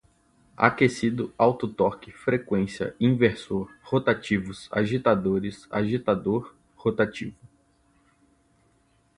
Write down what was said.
aquecido, alto torque, frequência, inversor, rotativos, agitadores, agitador, rotativo